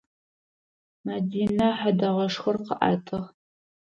Мэдинэ хьэдэгъэшхор къыӏэтыгъ.